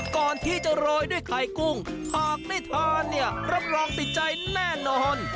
ก่อนที่จะโรยด้วยไข่กุ้งหากได้ทานเนี่ยรับรองติดใจแน่นอน